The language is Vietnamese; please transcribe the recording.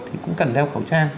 thì cũng cần đeo khẩu trang